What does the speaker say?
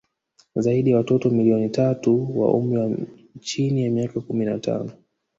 Zaidi ya watoto milioni tatu wa umri wa chini ya miaka kumi na tano